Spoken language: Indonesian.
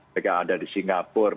mereka ada di singapura